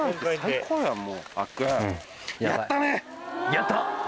やった！